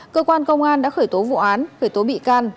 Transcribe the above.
cơ quan công an đã khởi tố vụ án khởi tố bị can